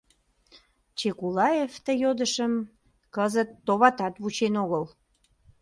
Чекулаев ты йодышым кызыт, товатат, вучен огыл.